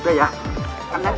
udah ya pak